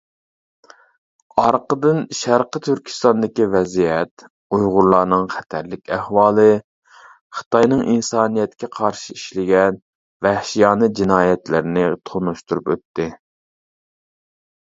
ئارقىدىن شەرقى تۈركىستاندىكى ۋەزىيەت، ئۇيغۇرلارنىڭ خەتەرلىك ئەھۋالى، خىتاينىڭ ئىنسانىيەتكە قارشى ئىشلىگەن ۋەھشىيانە جىنايەتلىرىنى تونۇشتۇرۇپ ئۆتتى.